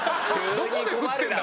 どこで振ってるんだ！